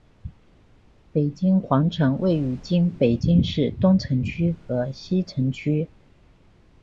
北京皇城位于今北京市东城区和西城区。